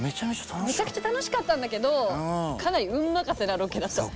めちゃくちゃ楽しかったんだけどかなり運任せなロケだった。